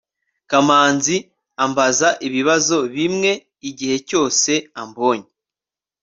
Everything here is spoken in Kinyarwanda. kamanzi ambaza ibibazo bimwe igihe cyose ambonye